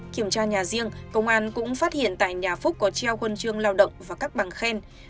kiểm tra nhà riêng công an cũng phát hiện tại nhà phúc có treo huân chương lao động và các bằng khen